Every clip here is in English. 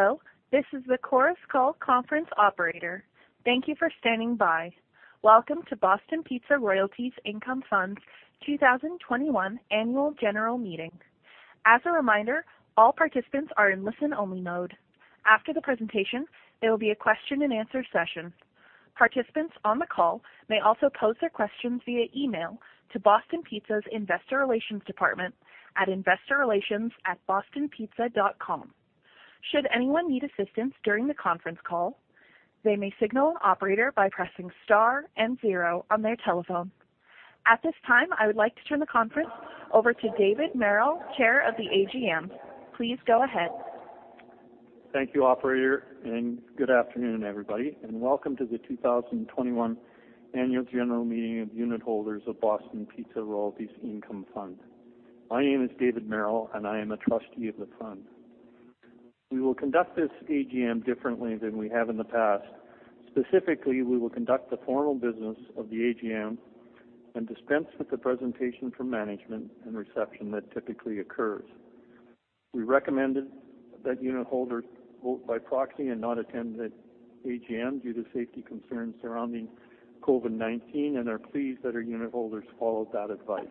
Hello, this is the Chorus Call conference operator. Thank you for standing by. Welcome to Boston Pizza Royalties Income Fund's 2021 Annual General Meeting. As a reminder, all participants are in listen-only mode. After the presentation, there will be a question and answer session. Participants on the call may also pose their questions via email to Boston Pizza's Investor Relations department at investorrelations@bostonpizza.com. Should anyone need assistance during the conference call, they may signal an operator by pressing star and zero on their telephone. At this time, I would like to turn the conference over to David Merrell, chair of the AGM. Please go ahead. Thank you, operator, and good afternoon, everybody, and welcome to the 2021 Annual General Meeting of unitholders of Boston Pizza Royalties Income Fund. My name is David Merrell, and I am a trustee of the fund. We will conduct this AGM differently than we have in the past. Specifically, we will conduct the formal business of the AGM and dispense with the presentation from management and reception that typically occurs. We recommended that unitholders vote by proxy and not attend the AGM due to safety concerns surrounding COVID-19 and are pleased that our unitholders followed that advice.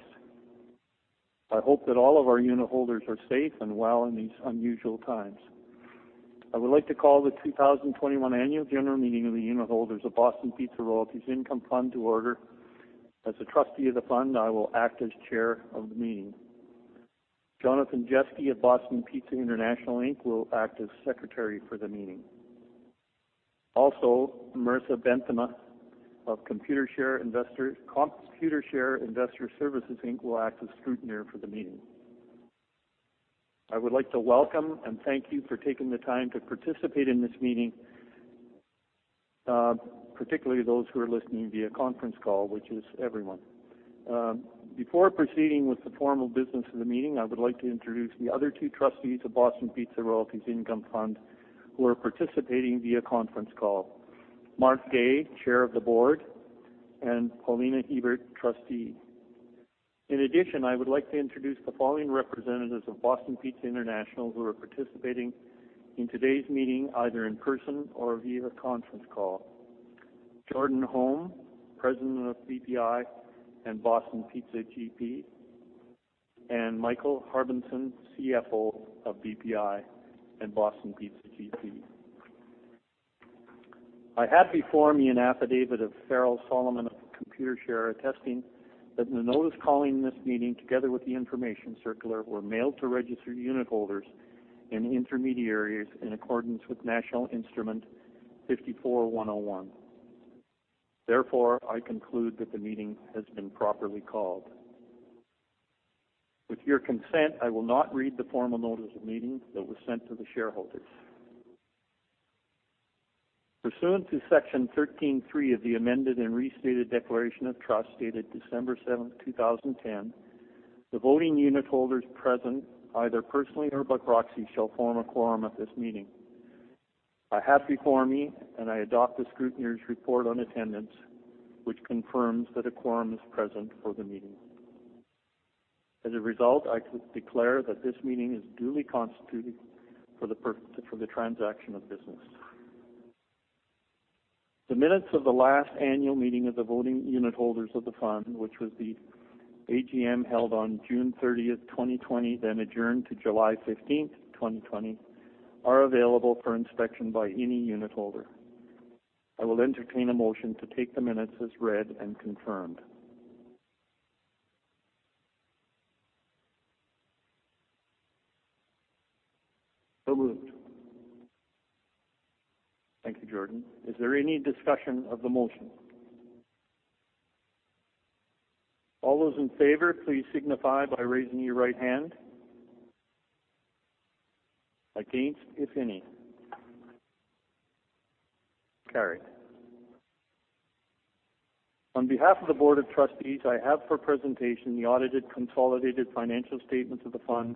I hope that all of our unitholders are safe and well in these unusual times. I would like to call the 2021 Annual General Meeting of the unitholders of Boston Pizza Royalties Income Fund to order. As a trustee of the fund, I will act as chair of the meeting. Jonathan Jeske of Boston Pizza International Inc. will act as secretary for the meeting. Marisa Bentima of Computershare Investor Services Inc. will act as scrutineer for the meeting. I would like to welcome and thank you for taking the time to participate in this meeting, particularly those who are listening via conference call, which is everyone. Before proceeding with the formal business of the meeting, I would like to introduce the other two Trustees of Boston Pizza Royalties Income Fund who are participating via conference call. Marc Guay, Chair of the Board, and Paulina Hiebert, Trustee. I would like to introduce the following representatives of Boston Pizza International who are participating in today's meeting, either in person or via conference call. Jordan Holm, President of BPI and Boston Pizza GP, and Michael Harbinson, CFO of BPI and Boston Pizza GP. I have before me an affidavit of Farrell Solomon of Computershare attesting that the notice calling this meeting, together with the information circular, were mailed to registered unitholders and intermediaries in accordance with National Instrument 54-101. Therefore, I conclude that the meeting has been properly called. With your consent, I will not read the formal notice of meeting that was sent to the shareholders. Pursuant to Section 13 3 of the Amended and Restated Declaration of Trust dated December 7, 2010, the voting unitholders present, either personally or by proxy, shall form a quorum at this meeting. I have before me, and I adopt the scrutineer's report on attendance, which confirms that a quorum is present for the meeting. As a result, I declare that this meeting is duly constituted for the transaction of business. The minutes of the last annual meeting of the voting unitholders of the fund, which was the AGM held on June 30, 2020, then adjourned to July 15, 2020, are available for inspection by any unitholder. I will entertain a motion to take the minutes as read and confirmed. Moved. Thank you, Jordan. Is there any discussion of the motion? All those in favor, please signify by raising your right hand. Against, if any. Carried. On behalf of the Board of Trustees, I ask for presentation the audited consolidated financial statements of the fund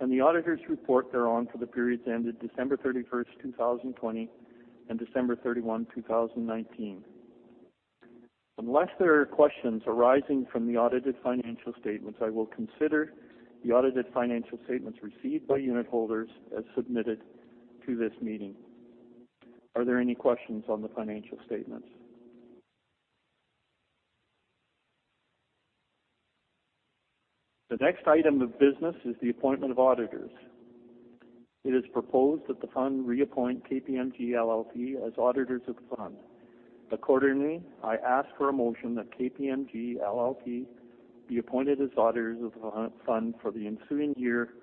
and the auditor's report thereon for the periods ended December 31, 2020, and December 31, 2019. Unless there are questions arising from the audited financial statements, I will consider the audited financial statements received by unitholders as submitted to this meeting. Are there any questions on the financial statements? The next item of business is the appointment of auditors. It is proposed that the fund reappoint KPMG LLP as auditors of the fund. Accordingly, I ask for a motion that KPMG LLP be appointed as auditors of the fund for the ensuing year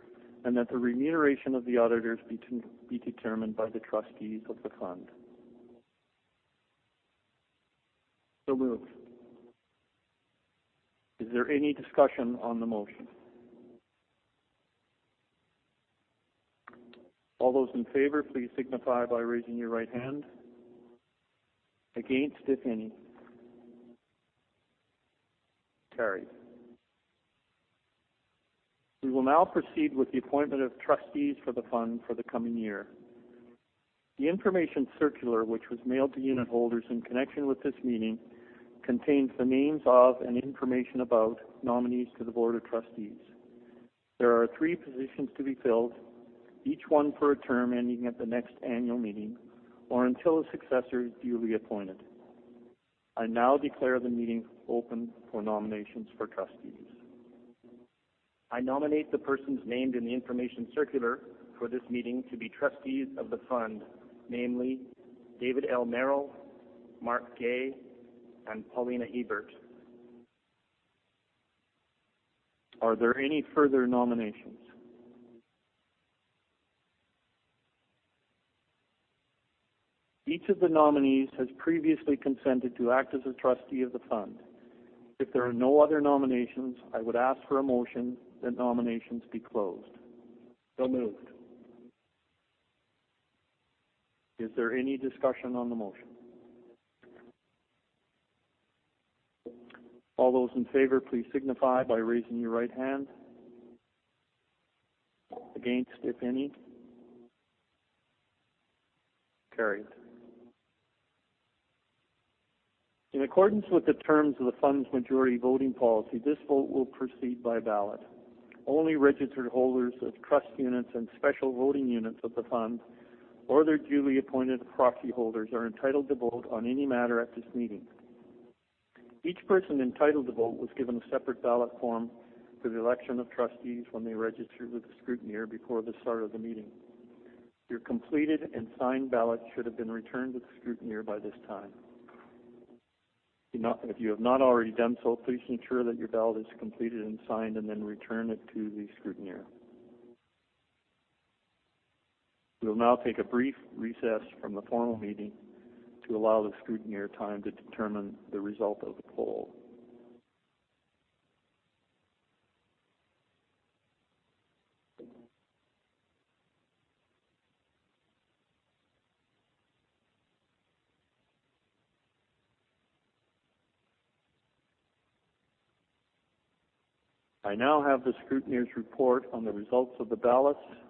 and that the remuneration of the auditors be determined by the Trustees of the fund. So moved. Is there any discussion on the motion? All those in favor, please signify by raising your right hand. Against, if any. Carried. We will now proceed with the appointment of Trustees for the fund for the coming year. The information circular, which was mailed to unit holders in connection with this meeting, contains the names of and information about nominees to the Board of Trustees. There are three positions to be filled, each one for a term ending at the next annual meeting or until a successor is duly appointed. I now declare the meeting open for nominations for trustees. I nominate the persons named in the information circular for this meeting to be trustees of the Fund, namely David Merrell, Marc Guay, and Paulina Hiebert. Are there any further nominations? Each of the nominees has previously consented to act as a trustee of the Fund. If there are no other nominations, I would ask for a motion that nominations be closed. So moved. Is there any discussion on the motion? All those in favor, please signify by raising your right hand. Against, if any. Carried. In accordance with the terms of the Fund's majority voting policy, this vote will proceed by ballot. Only registered holders of trust units and special voting units of the Fund or their duly appointed proxy holders are entitled to vote on any matter at this meeting. Each person entitled to vote was given a separate ballot form for the election of trustees when they registered with the scrutineer before the start of the meeting. Your completed and signed ballot should have been returned to the scrutineer by this time. If you have not already done so, please ensure that your ballot is completed and signed, and then return it to the scrutineer. We will now take a brief recess from the formal meeting to allow the scrutineer time to determine the result of the poll. I now have the scrutineer's report on the results of the ballot. The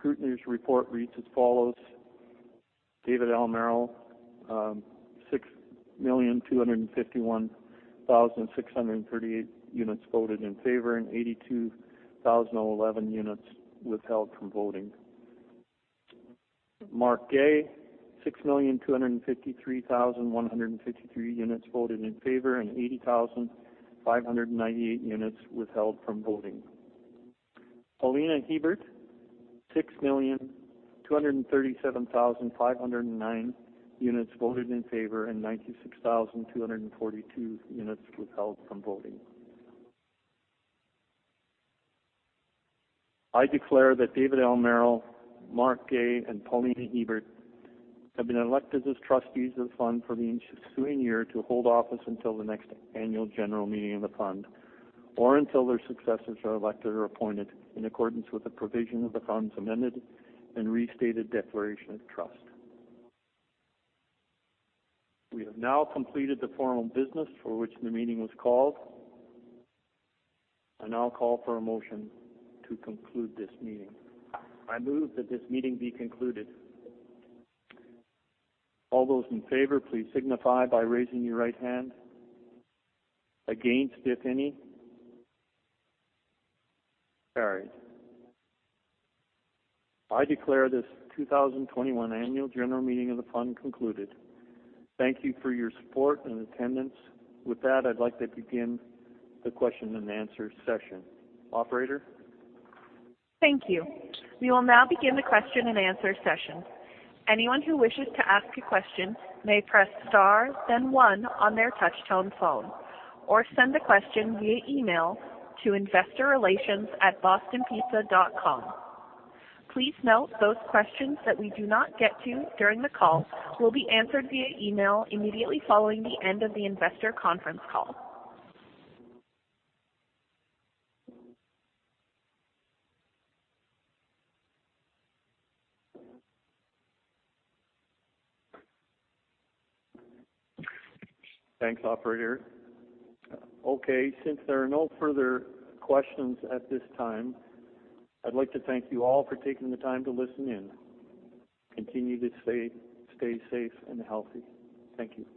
scrutineer's report reads as follows. David Merrell, 6,251,638 units voted in favor and 82,011 units withheld from voting. Marc Guay, 6,253,153 units voted in favor and 80,598 units withheld from voting. Paulina Hiebert, 6,237,509 units voted in favor and 96,242 units withheld from voting. I declare that David Merrell, Marc Guay, and Paulina Hiebert have been elected as trustees of the fund for the ensuing year to hold office until the next annual general meeting of the fund or until their successors are elected or appointed in accordance with the provision of the fund's Amended and Restated Declaration of Trust. We have now completed the formal business for which the meeting was called. I now call for a motion to conclude this meeting. I move that this meeting be concluded. All those in favor, please signify by raising your right hand. Against, if any. Carried. I declare this 2021 Annual General Meeting of the fund concluded. Thank you for your support and attendance. With that, I'd like to begin the question and answer session. Operator? Thank you. We will now begin the question and answer session. Anyone who wishes to ask a question may press star then one on their touch-tone phone or send a question via email to investorrelations@bostonpizza.com. Please note those questions that we do not get to during the call will be answered via email immediately following the end of the investor conference call. Thanks, operator. Since there are no further questions at this time, I'd like to thank you all for taking the time to listen in. Continue to stay safe and healthy. Thank you.